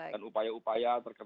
dan upaya upaya terkait